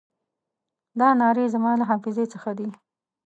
دا نارې زما له حافظې څخه دي.